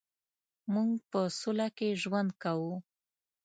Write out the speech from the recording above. مونږ په سوله کې ژوند کوو